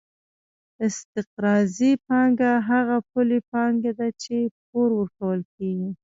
استقراضي پانګه هغه پولي پانګه ده چې پور ورکول کېږي